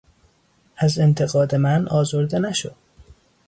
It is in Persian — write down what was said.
از انتقاد من آزرده نشو!